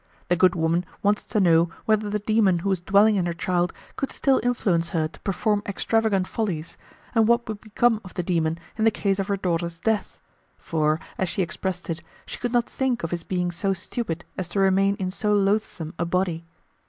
The good woman wanted to know whether the demon who was dwelling in her child could still influence her to perform extravagant follies, and what would become of the demon in the case of her daughter's death, for, as she expressed it, she could not think of his being so stupid as to remain in so loathsome a body.